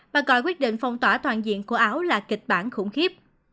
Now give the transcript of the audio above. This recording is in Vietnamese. bà gọi quyết định phong tỏa toàn diện của ảo là kịch bản khủng khiếp